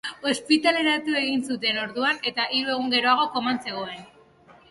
Ospitaleratu egin zuten orduan, eta hiru egun geroago koman zegoen.